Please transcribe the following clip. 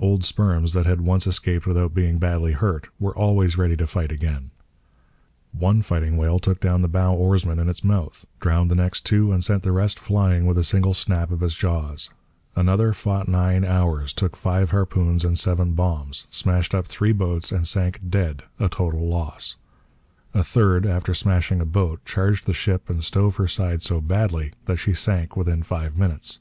Old sperms that had once escaped without being badly hurt were always ready to fight again. One fighting whale took down the bow oarsman in its mouth, drowned the next two, and sent the rest flying with a single snap of its jaws. Another fought nine hours, took five harpoons and seven bombs, smashed up three boats, and sank dead a total loss. A third, after smashing a boat, charged the ship and stove her side so badly that she sank within five minutes.